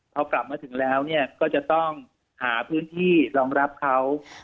พอกลับมาถึงแล้วก็จะต้องหาพื้นที่รองรับเขา